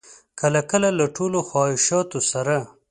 کله کله له ټولو خواهشاتو سره.